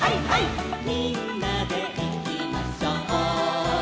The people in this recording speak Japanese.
「みんなでいきましょう」